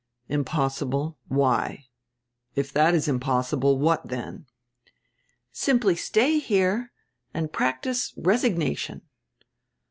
"Impossible? Why? If that is impossible, what dien?" "Simply stay here and practice resignation.